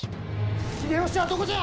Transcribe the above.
秀吉はどこじゃ！